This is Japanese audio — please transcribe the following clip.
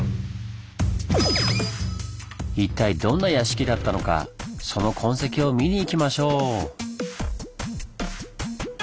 一体どんな屋敷だったのかその痕跡を見に行きましょう！